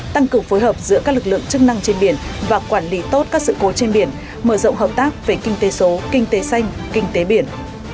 tăng cường phối hợp giữa các lực lượng chức năng trên biển và quản lý tốt các sự cố trên biển mở rộng hợp tác về kinh tế số kinh tế xanh kinh tế biển